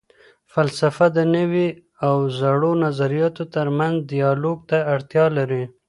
فلسفه د نوي او زړو نظریاتو تر منځ دیالوګ ته اړتیا لري.